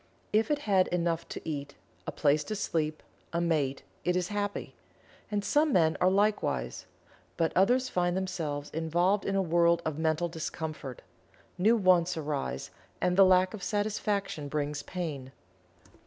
If it has enough to eat a place to sleep a mate it is happy. And some men are likewise. But others find themselves involved in a world of mental discomfort. New wants arise, and the lack of satisfaction brings pain.